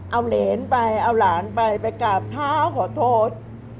เอาเหรนไปเอาหลานไปไปกราบเท้าขอโทษ